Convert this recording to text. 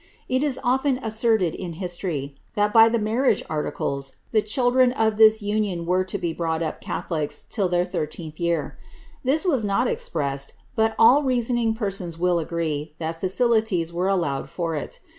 It is often asserted iu history, that, by the marriage articles, the children of this union were to be brought up catholics till their thirteenth year ; this was not expressed, but all rea soning persons will agree that facilities were allowed for it.